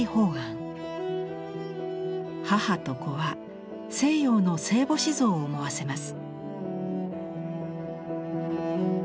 母と子は西洋の聖母子像を思わせます。